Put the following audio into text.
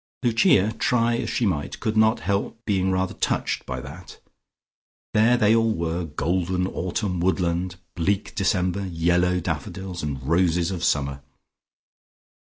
Lucia, try as she might, could not help being rather touched by that. There they all were: "Golden Autumn Woodland," "Bleak December," "Yellow Daffodils," and "Roses of Summer."...